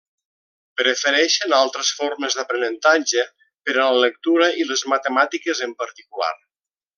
Prefereixen altres formes d'aprenentatge, per a la lectura i les matemàtiques en particular.